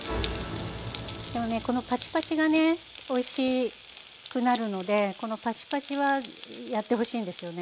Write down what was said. でもねこのパチパチがねおいしくなるのでこのパチパチはやってほしいんですよね。